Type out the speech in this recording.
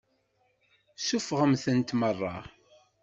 Suffɣemt-tent meṛṛa.